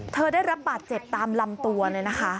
เธอได้รับบาดเจ็บตามลำตัวเลยนะคะ